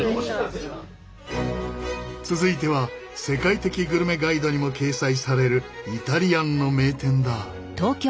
続いては世界的グルメガイドにも掲載されるイタリアンの名店だ。